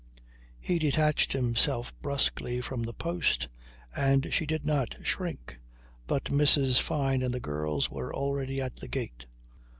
He detached himself brusquely from the post, and she did not shrink; but Mrs. Fyne and the girls were already at the gate.